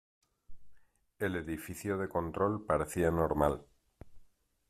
El edificio de control parecía normal.